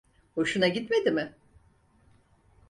Hoşuna gitmedi mi?